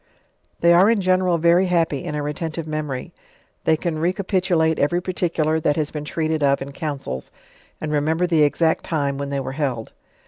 They are in general very happy in a retentive memory: they can recapitulate every particular that has been treated of in councils, and remember the exact time when they were held.